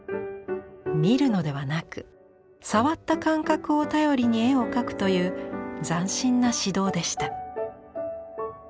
見るのではなく触った感覚を頼りに絵を描くという斬新な指導でした。